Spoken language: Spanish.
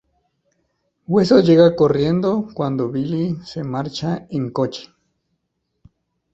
Huesos llega corriendo cuando Bully se marcha en coche.